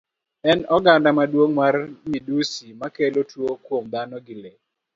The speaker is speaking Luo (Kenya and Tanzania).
En oganda maduong' mar midhusi makelo tuo kuom dhano gi lee.